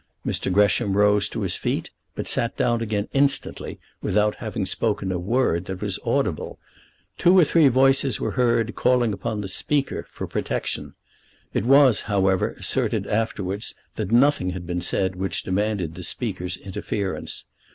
Mr. Gresham rose to his feet, but sat down again instantly, without having spoken a word that was audible. Two or three voices were heard calling upon the Speaker for protection. It was, however, asserted afterwards that nothing had been said which demanded the Speaker's interference.